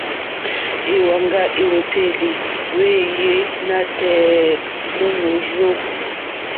Èwàŋgá èwòtélì wéèyé nǎtɛ̀ɛ̀ nǒ mòrzô.